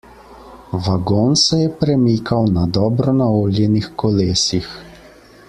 Vagon se je premikal na dobro naoljenih kolesih.